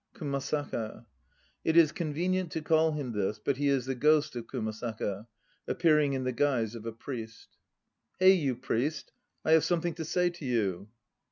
KUMASAKA. (It is convenient to call him this, but he is the ghost of Kumasaka, appearing in the guise of a priest.) Hey, you priest, I have something to say to you